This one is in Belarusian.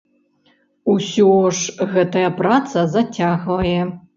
Усё ж гэтая праца зацягвае.